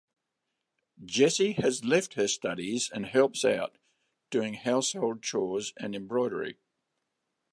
Jessy has left her studies and helps out doing household chores and embroidery.